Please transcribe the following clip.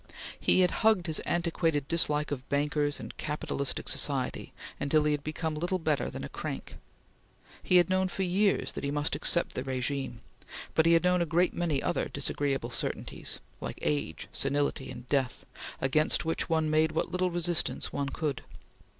He had hugged his antiquated dislike of bankers and capitalistic society until he had become little better than a crank. He had known for years that he must accept the regime, but he had known a great many other disagreeable certainties like age, senility, and death against which one made what little resistance one could.